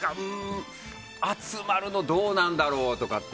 集まるのどうなんだろう？とかって。